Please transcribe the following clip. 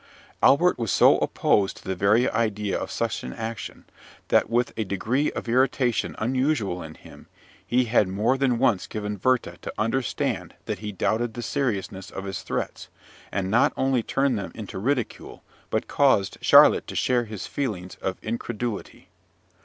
Albert was so opposed to the very idea of such an action, that, with a degree of irritation unusual in him, he had more than once given Werther to understand that he doubted the seriousness of his threats, and not only turned them into ridicule, but caused Charlotte to share his feelings of incredulity.